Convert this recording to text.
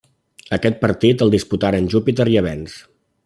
Aquest partit el disputaren Júpiter i Avenç.